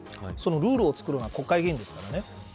ルールを作るのは国会議員ですからね。